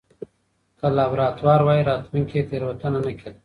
که لابراتوار واي، راتلونکې تېروتنه نه کېده.